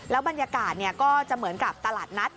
บรรยากาศก็จะเหมือนกับตลาดนัด